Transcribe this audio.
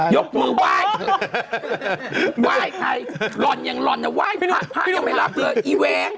ยกมือว้ายว้ายใครหล่อนอย่างหล่อนหล่อกลับผ่านอย่างไม่หลับเดี๋ยวเย้